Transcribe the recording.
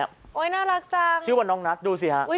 เล่นกับน้องคนนี้โอ๊ยน่ารักจังชื่อว่าน้องนัทดูสิฮะอุ้ย